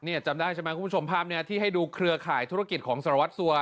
จำได้ใช่ไหมคุณผู้ชมภาพนี้ที่ให้ดูเครือข่ายธุรกิจของสารวัตรสัว